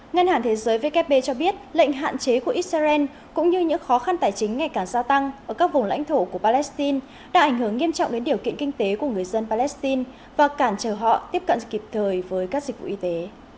ngân hàng thế giới vkp cho biết lệnh hạn chế của israel cũng như những khó khăn tài chính ngày càng gia tăng ở các vùng lãnh thổ của palestine đã ảnh hưởng nghiêm trọng đến điều kiện kinh tế của người dân palestine và cản trở họ tiếp cận kịp thời với các dịch vụ y tế